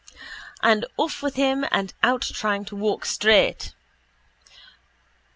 And off with him and out trying to walk straight.